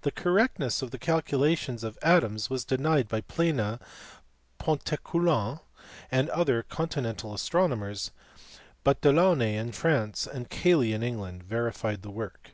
The correctness of the calculations of Adams was denied by Plana, Pontecoulant, and other continental astronomers, but Delaunay in France and Cayley in England verified the work.